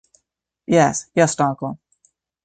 Jes, jes dankon